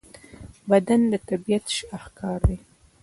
بدن د طبیعت شاهکار دی.